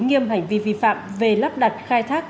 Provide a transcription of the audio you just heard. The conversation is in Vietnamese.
nghiêm hành vi vi phạm về lắp đặt khai thác